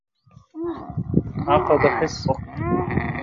عقد حصّة.